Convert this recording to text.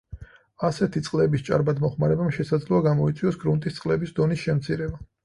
ასეთი წყლების ჭარბად მოხმარებამ შესაძლოა გამოიწვიოს გრუნტის წყლების დონის შემცირება.